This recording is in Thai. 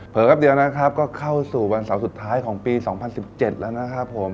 แป๊บเดียวนะครับก็เข้าสู่วันเสาร์สุดท้ายของปี๒๐๑๗แล้วนะครับผม